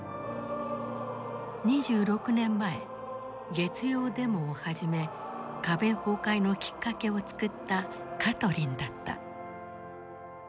２６年前月曜デモを始め壁崩壊のきっかけを作ったカトリンだった。